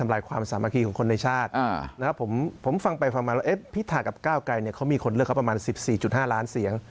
๑๔๕ล้านเสียง